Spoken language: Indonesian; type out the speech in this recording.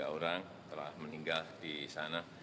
tiga puluh tiga orang telah meninggal di sana